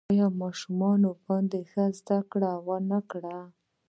آیا ماشومان باید ښه زده کړه ونکړي؟